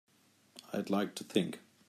I'd like to think.